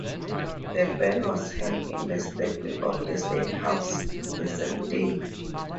The bell was hung in the steeple of the State House the same month.